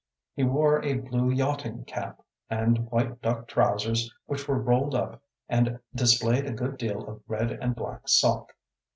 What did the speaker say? He wore a blue yachting cap, and white duck trousers which were rolled up and displayed a good deal of red and black sock.